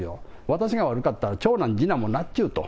私が悪かったら、長男次男もなっちゅうと。